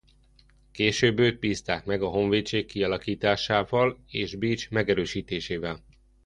Később őt bízták meg a honvédség kialakításával és Bécs megerősítésével.